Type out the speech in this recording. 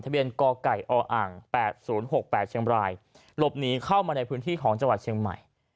เบียนกไก่ออ่าง๘๐๖๘เชียงบรายหลบหนีเข้ามาในพื้นที่ของจังหวัดเชียงใหม่